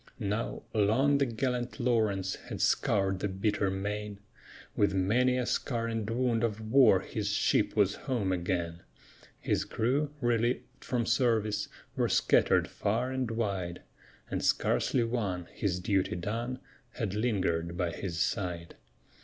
Now, long the gallant Lawrence had scoured the bitter main; With many a scar and wound of war his ship was home again; His crew, relieved from service, were scattered far and wide, And scarcely one, his duty done, had lingered by his side.